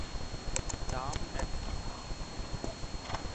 দাম এক টাকা।